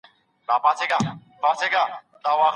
د طلاق د غوښتني په وخت کي هم احتياط پکار دی.